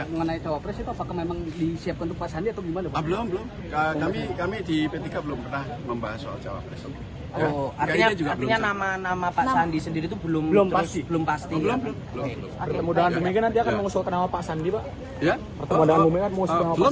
belum belum belum belum belum belum belum belum belum belum belum belum belum belum belum